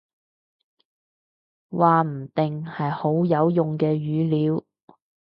話唔定，係好有用嘅語料